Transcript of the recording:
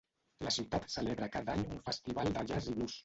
La ciutat celebra cada any un festival de jazz i blues.